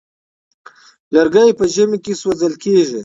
لرګي په ژمي کې سوزول کيږي.